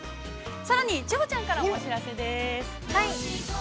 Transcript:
さらに千穂ちゃんからもお知らせです。